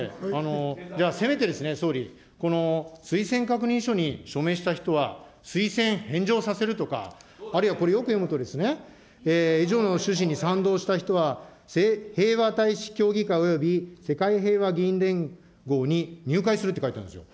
じゃあ、せめてですね、総理、この推薦確認書に署名した人は推薦返上させるとか、あるいは、これよく読むと、以上の趣旨に賛同した人は平和大使協議会および世界平和議員連合に入会するって書いてあるんですよ。